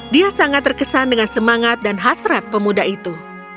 dia sangat terkesan dengan semangat dan hasrat pemuda itu